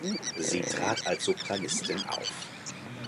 Sie trat als Sopranistin auf.